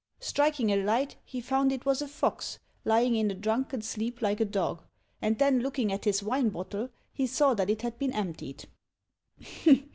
Striking a light, he found it was a fox, lying in a drunken sleep like a dog; and then looking at his wine bottle he saw that it had been emptied.